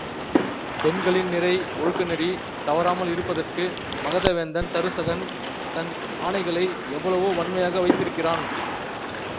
பெண்களின் நிறை ஒழுக்கநெறி தவறாமல் இருப்பதற்கு, மகத வேந்தன் தருசகன் தன் ஆணைகளை எவ்வளவோ வன்மையாக வைத்திருக்கிறான்.